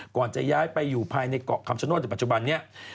ก่อนจะย้ายไปอยู่ภายในเกาะคำชโนธในปัจจุบันนี้